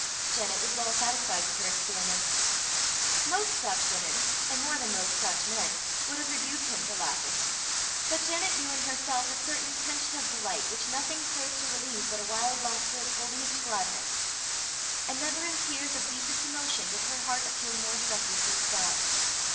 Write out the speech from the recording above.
Janet was well satisfied with her experiment. Most Scotch women, and more than most Scotch men, would have rebuked him for laughing, but Janet knew in herself a certain tension of delight which nothing served to relieve but a wild laughter of holiest gladness; and never in tears of deepest emotion did her heart appeal more directly to its God.